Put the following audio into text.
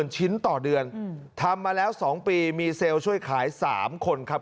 ชิ้นต่อเดือนทำมาแล้ว๒ปีมีเซลล์ช่วยขาย๓คนครับ